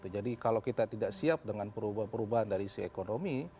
jadi kalau kita tidak siap dengan perubahan perubahan dari sisi ekonomi